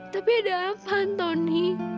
tapi ada apa antoni